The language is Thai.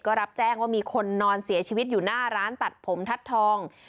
ก็รับแจ้งว่ามีคนนอนเสียชีวิตอยู่หน้าร้านตัดผมทัศน์ทอง